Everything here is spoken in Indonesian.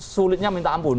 sulitnya minta ampun